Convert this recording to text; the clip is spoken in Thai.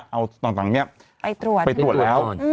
เอาต่างนี้ไปตรวจแล้ว